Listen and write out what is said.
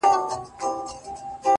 دغه انسان بېشرفي په شرافت کوي،